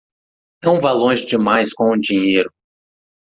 Não vá longe demais com dinheiro